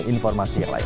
informasi yang lain